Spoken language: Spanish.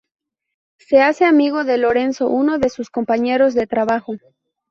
Se hace amigo de Lorenzo, uno de sus compañeros de trabajo.